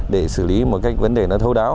để xử lý một cách vấn đề nó thâu đáo